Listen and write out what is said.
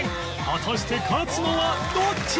果たして勝つのはどっち！？